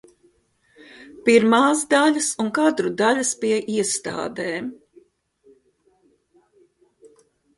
Pirmās daļas un kadru daļas pie iestādēm.